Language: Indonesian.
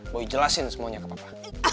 boy jelasin semuanya ke bapak